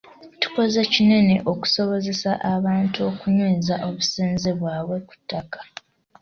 Tukoze kinene okusobozesa abantu okunyweza obusenze bwabwe ku ttaka.